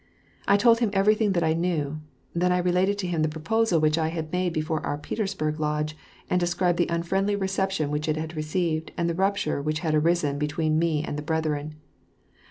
I told hiiu everything tliat I knew; then I related to htm the proposal which I had made before our Petersburg Lodge, and described the unfriendly reception which it had received" and the rupture which had arisen be tween me and the brethren.